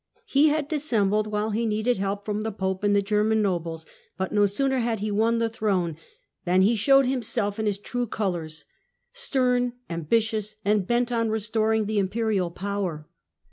He had dissembled while he needed help from the Pope and the German nobles, but no sooner had he won the throne than he showed himself in his true colours — stern, ambitious, and bent on restoring the imperial power.